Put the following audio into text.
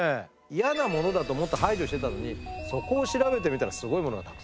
嫌なものだと思って排除してたのにそこを調べてみたらすごいものがたくさんありましたよっていう。